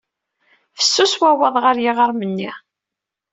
Fessus wawwaḍ ɣer yiɣrem-nni.